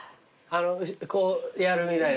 こうやるみたいな。